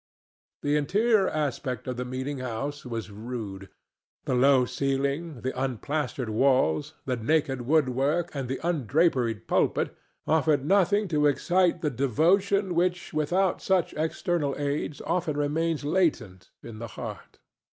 The interior aspect of the meeting house was rude. The low ceiling, the unplastered walls, the naked woodwork and the undraperied pulpit offered nothing to excite the devotion which without such external aids often remains latent in the heart.